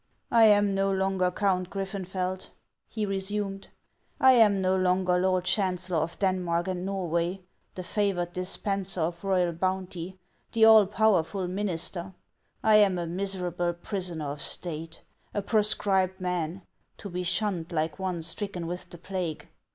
" I am no longer Count Griffenfeld," he resumed. " I am no longer lord chancellor of Denmark and Norway, the favored dispenser of royal bounty, the all powerful minister. I am a miserable prisoner of State, a proscribed man, to be shunned like one stricken with the plague.